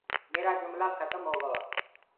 ميرآ جُملآ کتم هو گوآ۔